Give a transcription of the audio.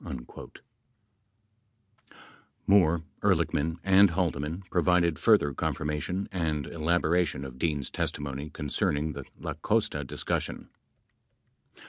15 Moore, Ehrlichman and Haldeman provided further confirmation and elaboration of Dean's testimony concerning the La Costa discus sion.